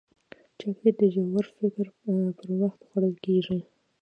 چاکلېټ د ژور فکر پر وخت خوړل کېږي.